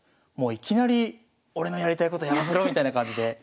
もういきなり俺のやりたいことやらせろみたいな感じで。